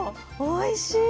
おいしい。